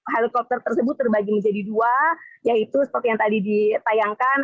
helikopter tersebut terbagi menjadi dua yaitu seperti yang tadi ditayangkan